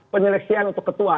penyeleksian untuk ketua